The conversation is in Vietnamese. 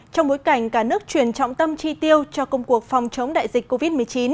trong bối cảnh cả nước chuyển trọng tâm tri tiêu cho công cuộc phòng chống đại dịch covid một mươi chín